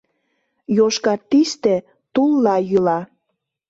Йошкар тисте Тулла йӱла.